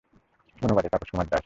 অনুবাদে- তাপস কুমার দাস।